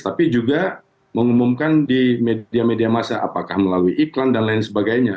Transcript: tapi juga mengumumkan di media media masa apakah melalui iklan dan lain sebagainya